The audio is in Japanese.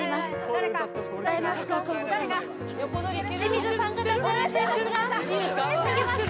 誰か誰か誰か清水さんが立ち上がっていますがいいですか？